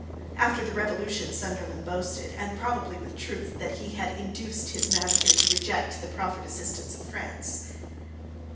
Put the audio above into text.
After the Revolution Sunderland boasted, and probably with truth, that he had induced his master to reject the proffered assistance of France.